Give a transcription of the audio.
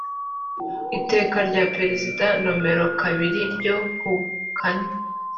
iteka rya perezida nomero kabiri ryo ku kane